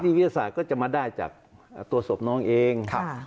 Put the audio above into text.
วิทยาศาสตร์ก็จะมาได้จากตัวศพน้องเอง